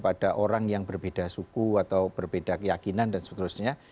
jadi kalau ada orang yang berbeda suku atau berbeda keyakinan dan seterusnya